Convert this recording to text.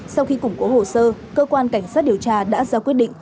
sau khi củng cố hồ sơ cơ quan cảnh sát điều tra đã ra quyết định